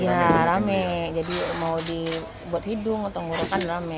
iya rame jadi mau dibuat hidung atau tenggorokan rame